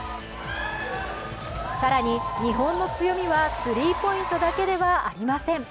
更に日本の強みはスリーポイントだけではありません。